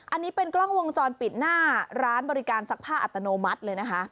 อันนี้เป็นกล้องวงจรปิดหน้าร้านบริการซักผ้าอัตโนมัติเลยนะคะ